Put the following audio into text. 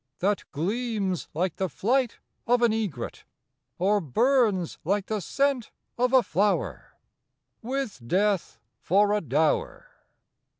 That gleams like the flight of an egret, Or burns like the scent of a flower, With death for a dower?